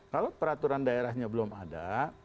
kalau peraturan daerahnya belum ada